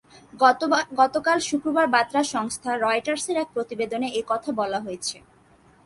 গতকাল শুক্রবার বার্তা সংস্থা রয়টার্সের এক প্রতিবেদনে এ কথা বলা হয়েছে।